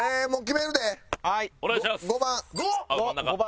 ５番。